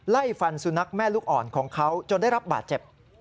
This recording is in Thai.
ไล่ฟันสุนัขแม่ลูกอ่อนของเขาจนได้รับบาดเจ็บ